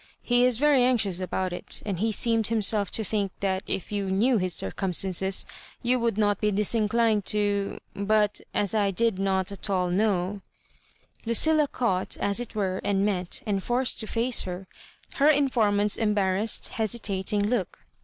He is v^y anxious about it, and he seemed himself to think that if you knew his circumstances you would not be disinclined to— » But as I did not at all know—" Ludlla caught, as it were, and met^^nd forced to &ce her, her informant's embarrassed, hesitatmg kx>k.